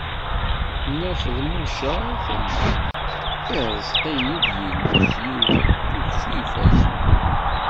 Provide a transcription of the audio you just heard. Nna Feḍmuca tenna: Ireẓq-iyi-d Yillu s yiwet n tukci ifazen.